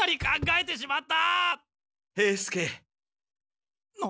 えっ？